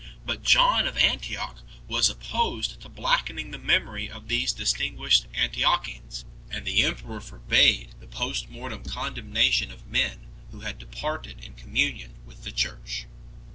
But John of Antioch was opposed to blackening the memory of these distinguished Antiochenes, and the emperor forbade the post mortem condemnation of men who had departed in communion with the Church.